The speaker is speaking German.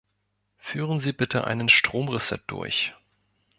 Führen Sie bitte einen Stromreset durch.